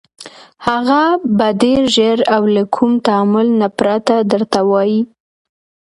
هغه به ډېر ژر او له كوم تأمل نه پرته درته ووايي: